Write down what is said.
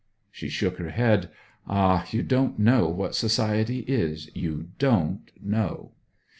She shook her head. 'Ah you don't know what society is you don't know.'